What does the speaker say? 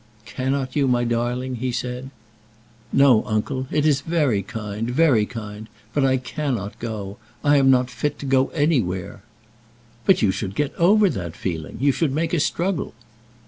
"Cannot you, my darling?" he said. "No, uncle. It is very kind, very kind; but I cannot go. I am not fit to go anywhere." "But you should get over that feeling. You should make a struggle."